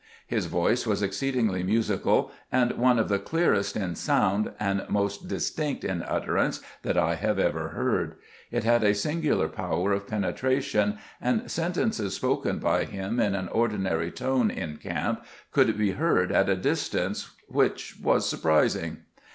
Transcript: His voice was exceedingly musical, and one of the clear est in sound and most distinct in utterance that I have ever heard. It had a singular power of penetration, and sentences spoken by him in an ordinary tone in camp could be heard at a distance which was surprising.